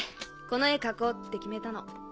この絵描こうって決めたの。